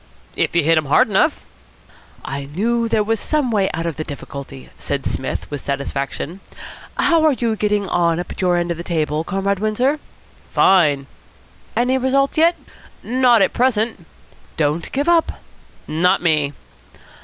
"If you hit him hard enough." "I knew there was some way out of the difficulty," said Psmith with satisfaction. "How are you getting on up at your end of the table, Comrade Windsor?" "Fine." "Any result yet?" "Not at present." "Don't give up." "Not me."